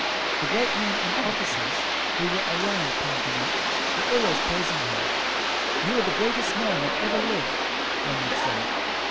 The great men and of fi cers who were around King Canute were always praising him. "You are the greatest man that ever lived," one would say.